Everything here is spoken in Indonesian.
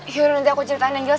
yuk nanti aku ceritain yang jelas